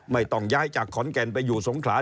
ไม่ต้องย้ายจากขอนแก่นไปอยู่สงขลา